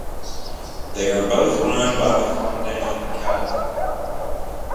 They are both run by the Fondation Calvet.